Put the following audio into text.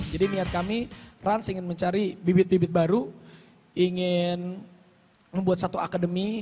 jadi niat kami rans ingin mencari bibit bibit baru ingin membuat satu akademi